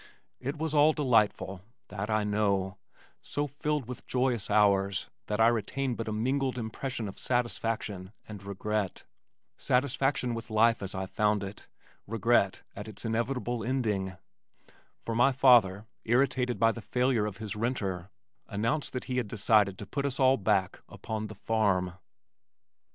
It was all delightful, that I know, so filled with joyous hours that I retain but a mingled impression of satisfaction and regret satisfaction with life as I found it, regret at its inevitable ending for my father, irritated by the failure of his renter, announced that he had decided to put us all back upon the farm.